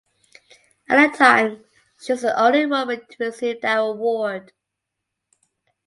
At the time she was the only woman to receive that award.